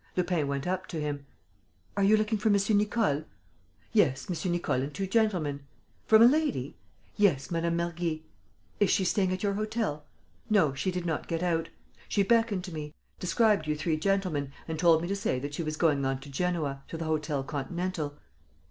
Lupin went up to him: "Are you looking for M. Nicole?" "Yes, M. Nicole and two gentlemen." "From a lady?" "Yes, Mme. Mergy." "Is she staying at your hotel?" "No. She did not get out. She beckoned to me, described you three gentlemen and told me to say that she was going on to Genoa, to the Hôtel Continental."